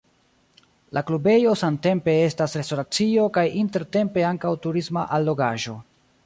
La klubejo samtempe estas restoracio kaj intertempe ankaŭ turisma allogaĵo.